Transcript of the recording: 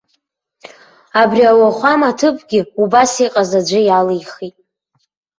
Абри ауахәама аҭыԥгьы убас иҟаз аӡәы иалихит.